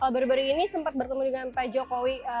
baru baru ini sempat bertemu dengan pak jokowi